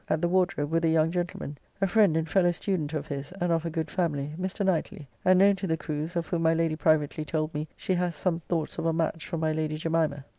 ] at the Wardrobe with a young gentleman, a friend and fellow student of his, and of a good family, Mr. Knightly, and known to the Crews, of whom my Lady privately told me she hath some thoughts of a match for my Lady Jemimah.